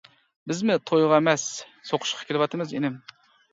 — بىزمۇ تويغا ئەمەس، سوقۇشقا كېلىۋاتىمىز، ئىنىم!